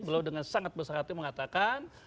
beliau dengan sangat bersyaratnya mengatakan